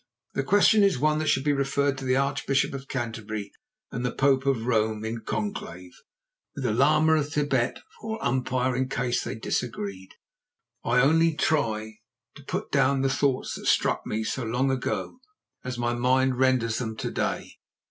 The question is one that should be referred to the Archbishop of Canterbury and the Pope of Rome in conclave, with the Lama of Thibet for umpire in case they disagreed. I only try to put down the thoughts that struck me so long ago as my mind renders them to day.